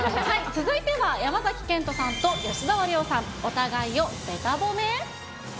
続いては、山崎賢人さんと吉沢亮さん、お互いをべた褒め？